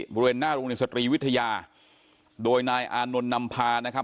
บริเวณหน้าโรงเรียนสตรีวิทยาโดยนายอานนท์นำพานะครับ